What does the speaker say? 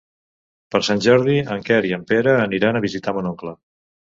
Per Sant Jordi en Quer i en Pere aniran a visitar mon oncle.